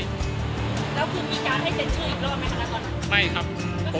แล้วคุณมีการให้เซ็นชื่ออีกรอบไหมครับละก่อน